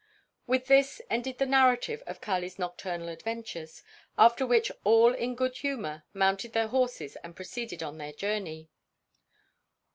With this ended the narrative of Kali's nocturnal adventures, after which all in good humor mounted their horses and proceeded on their journey.